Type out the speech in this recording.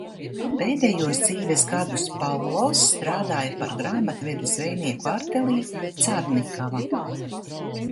"Pēdējos dzīves gadus Pavlovs strādāja par grāmatvedi zvejnieku artelī "Carnikava"."